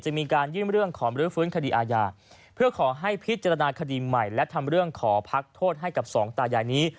มีการยื่นเรื่องขอมรื้อฟื้นคดีอาญาเพื่อขอให้พิจารณาคดีใหม่และทำเรื่องขอพักโทษให้กับสองตายายนี้